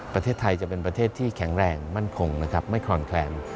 ประเทศไทยจะเป็นประเทศที่แข็งแรงมั่นคงนะครับไม่คลอนแคลน